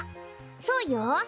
そうよ。